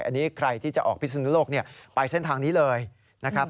อันนี้ใครที่จะออกพิศนุโลกไปเส้นทางนี้เลยนะครับ